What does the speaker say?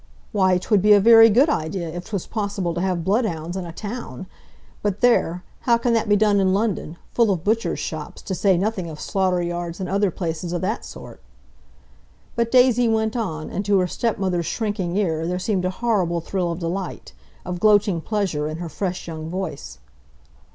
"Why, 'twould be a very good idea, if 'twas possible to have bloodhounds in a town. But, there, how can that be done in London, full of butchers' shops, to say nothing of slaughter yards and other places o' that sort?" But Daisy went on, and to her stepmother's shrinking ear there seemed a horrible thrill of delight; of gloating pleasure, in her fresh young voice.